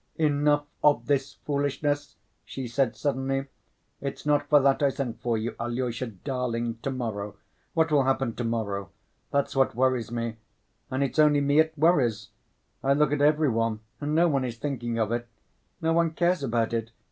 "Enough of this foolishness," she said suddenly; "it's not for that I sent for you. Alyosha, darling, to‐morrow—what will happen to‐morrow? That's what worries me! And it's only me it worries! I look at every one and no one is thinking of it. No one cares about it.